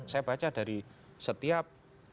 saya baca dari setiap